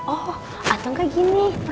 oh atau gak gini